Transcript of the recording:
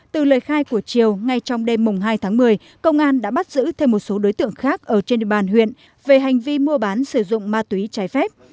từ lời khai của chiều ngay trong đêm hai tháng một mươi công an đã bắt giữ thêm một số đối tượng khác ở trên địa bàn huyện về hành vi mua bán sử dụng ma túy trái phép